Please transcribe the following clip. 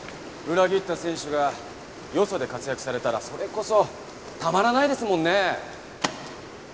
裏切った選手がよそで活躍されたらそれこそたまらないですもんねえ。